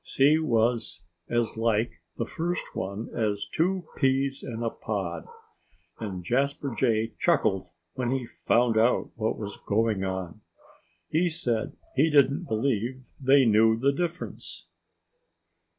She was as like the first one as two peas in a pod. And Jasper Jay chuckled when he found out what was going on. He said he didn't believe they knew the difference.